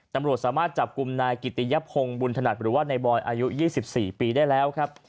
ตำลดสามารถจับกลุ่มนายกิติยัพพงษ์บุญถนัดหรือว่าในบอลอายุยี่สิบสี่ปีได้แล้วครับ